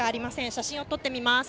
写真を撮ってみます。